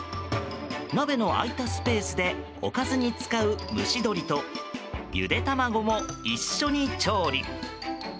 鍋の空いたスペースでおかずに使う蒸し鶏とゆで卵も一緒に調理。